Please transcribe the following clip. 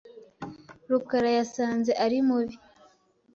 rukara yasanze ari mubi .